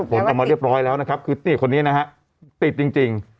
ผลออกมาเรียบร้อยแล้วนะครับคือนี่คนนี้นะฮะติดจริง